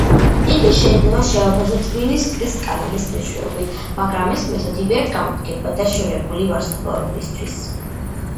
იგი შეიძლება შევაფასოთ ვინის ძვრის კანონის მეშვეობით, მაგრამ ეს მეთოდი ვერ გამოდგება დაშორებული ვარსკვლავებისთვის.